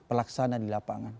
pelaksana di lapangan